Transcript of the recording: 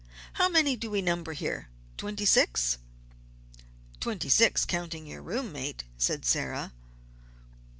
"How many do we number here twenty six?" "Twenty six, counting your room mate," said Sarah.